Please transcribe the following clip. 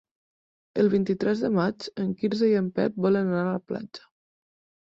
El vint-i-tres de maig en Quirze i en Pep volen anar a la platja.